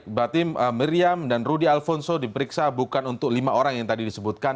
mbak tim miriam dan rudy alfonso diperiksa bukan untuk lima orang yang tadi disebutkan